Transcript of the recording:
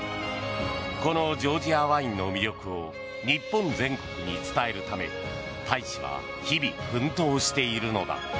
このジョージアワインの魅力を日本全国に伝えるため大使は日々奮闘しているのだ。